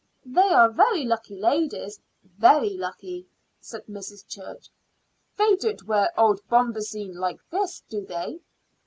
"They are very lucky ladies very lucky," said Mrs. Church. "They don't wear old bombazine like this, do they?"